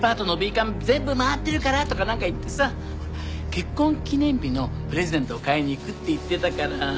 結婚記念日のプレゼントを買いに行くって言ってたから。